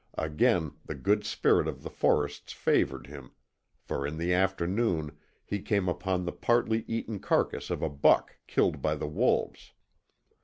Again the good spirit of the forests favoured him for in the afternoon he came upon the partly eaten carcass of a buck killed by the wolves.